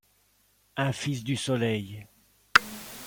Un fils du Soleil.